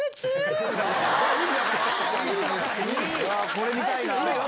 これ見たいな！